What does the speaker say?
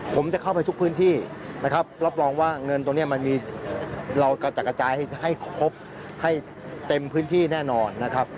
ผมจะเข้าไปทุกพื้นที่นะครับรับรองว่าเงินตรงนี้มันมีเรากระจัดกระจายให้ครบให้เต็มพื้นที่แน่นอนนะครับ